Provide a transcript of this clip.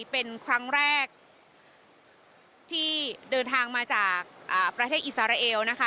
เป็นครั้งแรกที่เดินทางมาจากประเทศอิสราเอลนะคะ